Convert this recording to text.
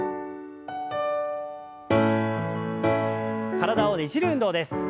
体をねじる運動です。